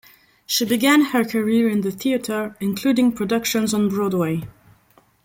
She began her career in the theater, including productions on Broadway.